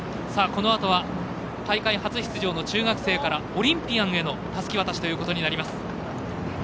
このあとは大会初出場の中学生からオリンピアンへのたすき渡しとなります。